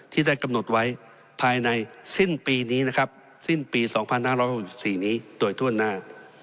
ที่ได้กำหนดไว้ภายในสิ้นปี๒๕๖๔นี้โดยท่วนหน้า